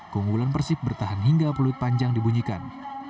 keunggulan persib bertahan hingga peluit panjang dibunyikan